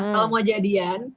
kalau mau jadian